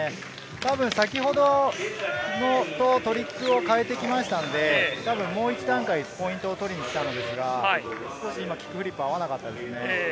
たぶん先ほどのトリックを変えてきましたので、もう１段階、ポイントを取りにいったんですが今、キックフリップ合わなかったですね。